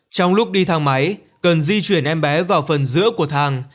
trong lúc đi thang máy cần di chuyển em bé vào phần giữa của thang